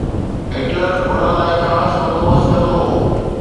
Hitler ان لاءِ خاص بندوبست ڪندو هو.